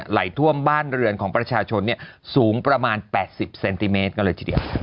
ไหลท่วมบ้านเรือนของประชาชนสูงประมาณ๘๐เซนติเมตรก็เลยทีเดียว